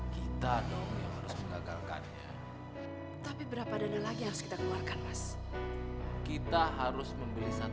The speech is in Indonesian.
kita harus menggagalkannya tapi berapa dana lagi harus kita keluarkan mas kita harus membeli satu